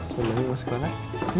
seneng mau sekolah